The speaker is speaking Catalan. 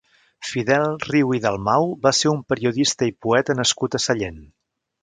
Fidel Riu i Dalmau va ser un periodista i poeta nascut a Sallent.